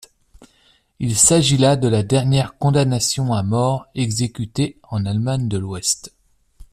Il s'agit là de la dernière condamnation à mort exécutée en Allemagne de l'Ouest.